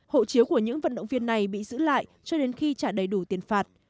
hộ chiếu của những vận động viên này bị giữ lại cho đến khi trả đầy đủ tiền phạt